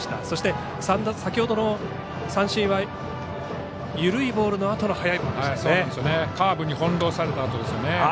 そして、先ほどの三振は緩いボールのあとの速いボールでしたね。